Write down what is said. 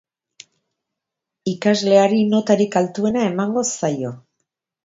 Ikasleari notarik altuena emango zaio.